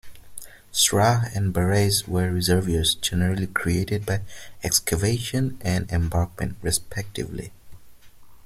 Srahs and barays were reservoirs, generally created by excavation and embankment, respectively.